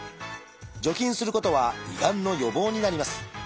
除菌することは胃がんの予防になります。